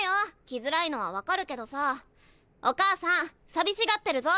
来づらいのは分かるけどさあお母さん寂しがってるぞ。